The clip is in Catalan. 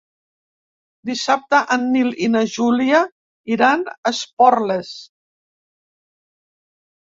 Dissabte en Nil i na Júlia iran a Esporles.